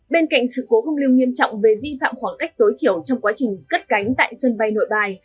bên cạnh sự cố không lưu nghiêm trọng về vi phạm khoảng cách tối thiểu trong quá trình cất cánh tại sân bay nội bài